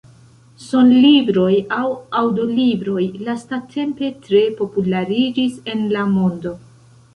Sonlibroj aŭ aŭdo-libroj lastatempe tre populariĝis en la mondo.